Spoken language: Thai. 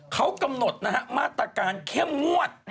เขากำหนดนะฮะมาตรการเข้มงวด